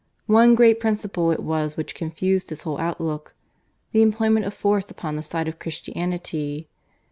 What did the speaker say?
One great principle it was which confused his whole outlook the employment of force upon the side of Christianity.